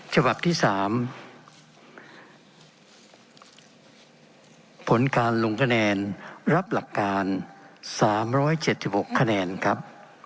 ฉบับที่๓ผลการลงคะแนนรับหลักการ๓๗๖คะแนนครับ